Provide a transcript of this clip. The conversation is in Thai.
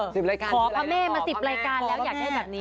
ขอพระแม่มาสิบรายการแล้วอยากได้แบบนี้